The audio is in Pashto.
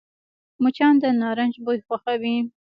مچان د نارنج بوی خوښوي